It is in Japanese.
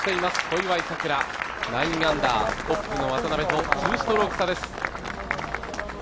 小祝さくら、９アンダートップの渡邉と２ストローク差です